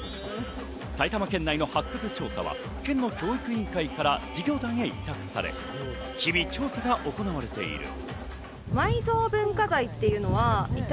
埼玉県内の発掘調査は県の教育委員会から事業団へ委託され、日々調査が行われている。